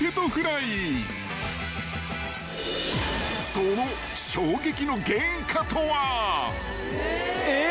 ［その衝撃の原価とは］えっ！？